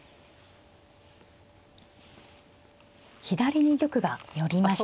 左に玉が寄りました。